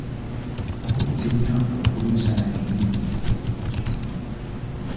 Kkooti zirina okuwa ensala ennungi era ez'obwenkanya.